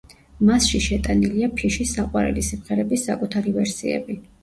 მასში შეტანილია ფიშის საყვარელი სიმღერების საკუთარი ვერსიები.